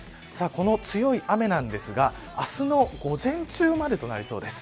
この強い雨ですが明日の午前中までとなりそうです。